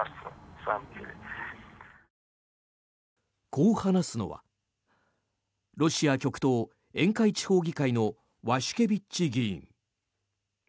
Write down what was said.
こう話すのはロシア極東、沿海地方議会のワシュケビッチ議員。